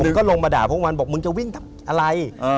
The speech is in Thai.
ก็ลงมาด่าพวกมันบอกมึงจะวิ่งทำอะไร